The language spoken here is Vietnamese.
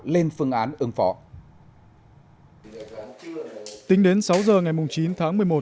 liên quan đến phòng chống thiên tai